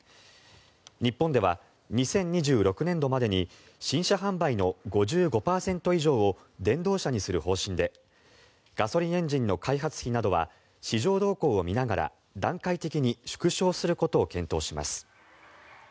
日本では２０２６年度までに新車販売の５５％以上を電動車にする方針でガソリンエンジンの開発費などは市場動向を見ながら段階的に縮小することを検討します。